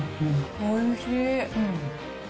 おいしい。